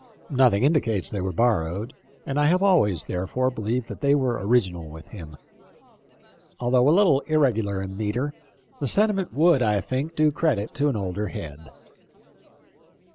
Nothing indicates that they were borrowed, and I have always, therefore, believed that they were original with him. Although a little irregular in metre, the sentiment would, I think, do credit to an older head.